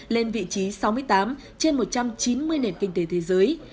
lên vị trí sáu mươi tám trên một trăm chín mươi nền kinh tế thế giới